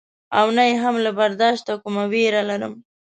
او نه یې هم له برداشته کومه وېره لرم.